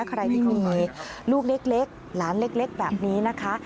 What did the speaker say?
ใครที่มีลูกเล็กหลานเล็กแบบนี้นะคะ